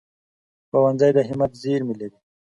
ښوونځی د همت زېرمې لري